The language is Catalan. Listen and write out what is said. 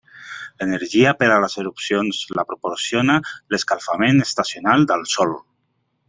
L'energia per a les erupcions la proporciona l'escalfament estacional del Sol.